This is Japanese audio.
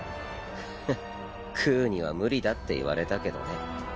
ふっクーには無理だって言われたけどね。